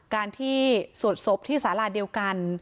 การที่สวดศพที่สาราเดียวกัน